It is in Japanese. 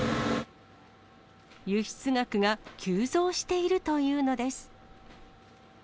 輸出額が急増しているというのです。